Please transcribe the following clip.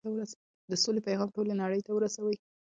د سولې پيغام ټولې نړۍ ته ورسوئ.